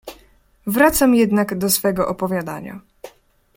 "Wracam jednak do swego opowiadania."